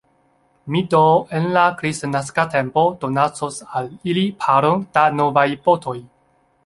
Mi do en la kristnaska tempo donacos al ili paron da novaj botoj.